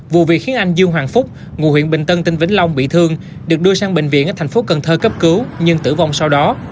vụ việc khiến anh dương hoàng phúc ngụ huyện bình tân tỉnh vĩnh long bị thương được đưa sang bệnh viện ở thành phố cần thơ cấp cứu nhưng tử vong sau đó